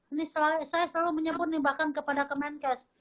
ini saya selalu menyebut bahkan kepada kemenkes